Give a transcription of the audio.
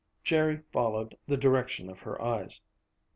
Jerry followed the direction of her eyes.